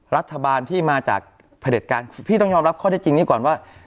รัฐบาลที่มาจากผลิตการพี่ต้องยอมรับข้อได้จริงนี้ก่อนว่า